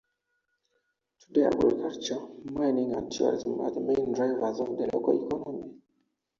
Today agriculture, mining, and tourism are the main drivers to the local economy.